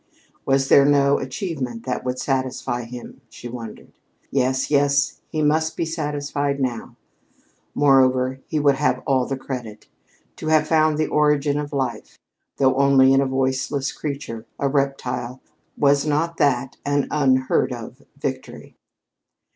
Was there no achievement that would satisfy him, she wondered. Yes, yes, he must be satisfied now! Moreover, he should have all the credit. To have found the origin of life, though only in a voiceless creature, a reptile, was not that an unheard of victory?